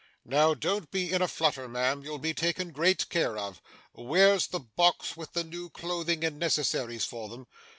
'Now, don't be in a flutter, ma'am; you'll be taken great care of. Where's the box with the new clothing and necessaries for them?